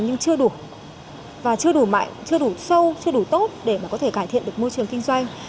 nhưng chưa đủ và chưa đủ mạnh chưa đủ sâu chưa đủ tốt để mà có thể cải thiện được môi trường kinh doanh